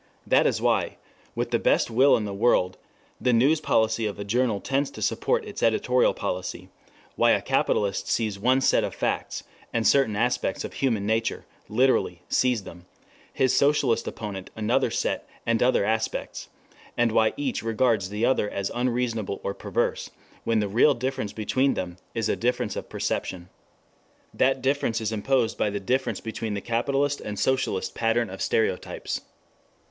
That is why, with the best will in the world, the news policy of a journal tends to support its editorial policy; why a capitalist sees one set of facts, and certain aspects of human nature, literally sees them; his socialist opponent another set and other aspects, and why each regards the other as unreasonable or perverse, when the real difference between them is a difference of perception. That difference is imposed by the difference between the capitalist and socialist pattern of stereotypes.